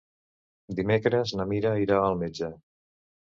Dimecres na Mira irà al metge.